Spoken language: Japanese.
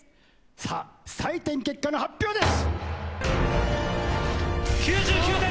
さぁ採点結果の発表です！